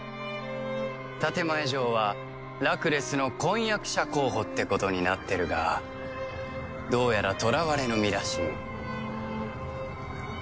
建前上はラクレスの婚約者候補ってことになってるがどうやら捕らわれの身らしい。